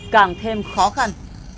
càng thêm khó khăn